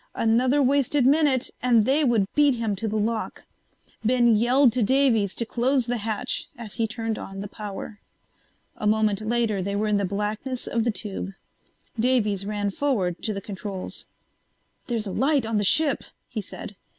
Another wasted minute and they would beat him to the lock. Ben yelled to Davies to close the hatch as he turned on the power. A moment later they were in the blackness of the tube. Davies ran forward to the controls. "There's a light on the ship," he said.